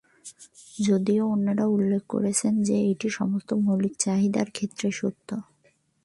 যদিও অন্যরা উল্লেখ করেছেন যে এটি সমস্ত মৌলিক চাহিদার ক্ষেত্রে সত্য।